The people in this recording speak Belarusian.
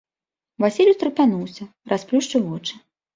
Васіль устрапянуўся, расплюшчыў вочы.